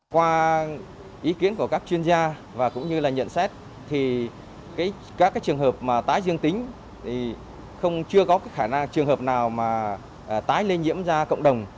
qua ý kiến của các chuyên gia và cũng như là nhận xét các trường hợp tái dương tính chưa có trường hợp nào tái lên nhiễm ra cộng đồng